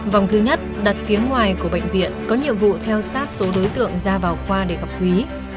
vòng thứ nhất đặt phía ngoài của bệnh viện có nhiệm vụ theo sát số đối tượng ra vào khoa để gặp quý